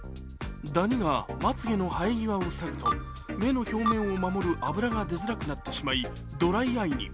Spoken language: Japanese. ダニがまつ毛の生え際を塞ぐと目の表面を守る脂が出づらくなってしまいドライアイに。